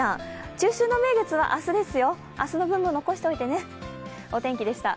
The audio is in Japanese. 中秋の名月は明日ですよ、明日の分も残しておいてね。